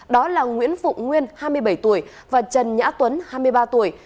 đó là nguyễn phụng nguyên hai mươi bảy tuổi và trần nhã tuấn hai mươi ba tuổi